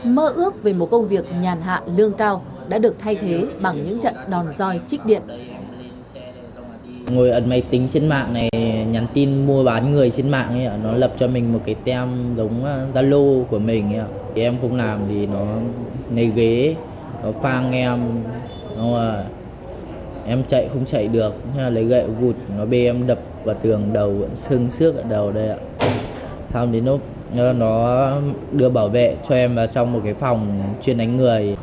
mơ ước về một công việc nhàn hạ lương cao đã được thay thế bằng những trận đòn roi trích điện